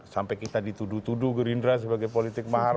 sampai kita dituduh tuduh gurindra sebagai politik mahar